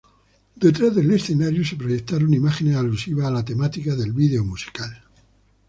Detrás del escenario se proyectaron imágenes alusivas a la temática del vídeo musical.